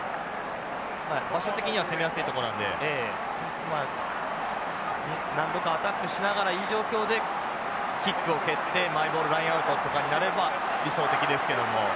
場所的には攻めやすいとこなんで何度かアタックしながらいい状況でキックを蹴ってマイボールラインアウトとかになれば理想的ですけども。